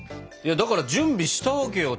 だから準備したわけよ。